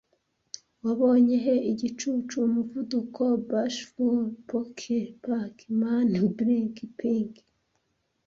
Wabonye he Igicucu Umuvuduko Bashful Pokey Pac man Blinky Pinky